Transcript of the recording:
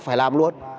phải làm luôn